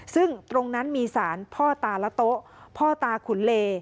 ซึ่งตรงนั้นมีสารพ่อตาและโต๊ะพ่อตาขุนเล